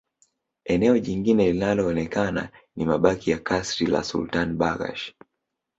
Eneo jingine linaloonekana ni mabaki ya kasri la Sultan Barghash